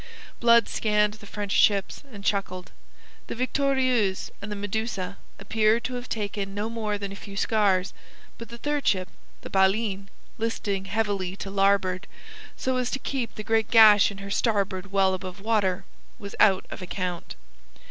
Blood scanned the French ships, and chuckled. The Victorieuse and the Medusa appeared to have taken no more than a few scars; but the third ship, the Baleine, listing heavily to larboard so as to keep the great gash in her starboard well above water, was out of account.